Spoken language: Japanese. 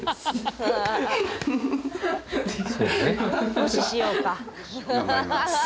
無視しようか。